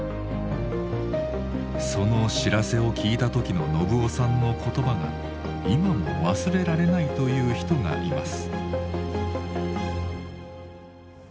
その知らせを聞いた時の信夫さんの言葉が今も忘れられないという人がいます。